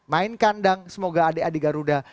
main kandang semoga adik adik garuda